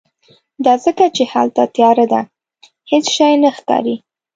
دا ځکه چې هلته تیاره ده، هیڅ شی نه ښکاری